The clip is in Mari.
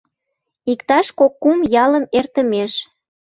— Иктаж кок-кум ялым эртымеш.